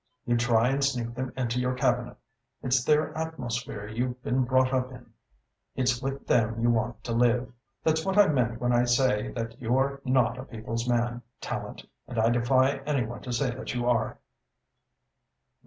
You'd try and sneak them into your Cabinet. It's their atmosphere you've been brought up in. It's with them you want to live. That's what I mean when I say that you're not a people's man, Tallente, and I defy any one to say that you are."